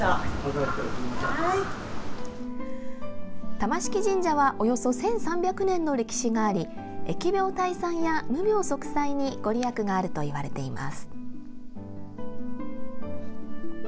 玉敷神社はおよそ１３００年の歴史があり疫病退散や無病息災にご利益があるといわれています。